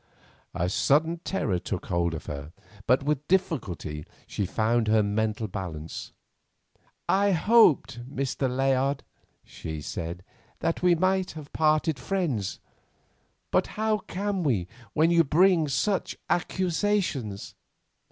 A sudden terror took hold of her, but with difficulty she found her mental balance. "I hoped, Mr. Layard," she said, "that we might have parted friends; but how can we when you bring such accusations?"